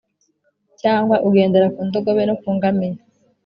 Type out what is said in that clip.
cyangwa ugendera ku ndogobe no ku ngamiya,